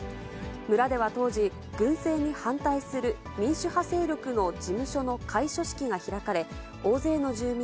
村では当時、軍政に反対する民主派勢力の事務所の開所式が開かれ、大勢の住民